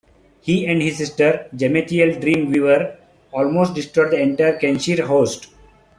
He and his sister, Jamethiel Dream Weaver, almost destroyed the entire Kencyr host.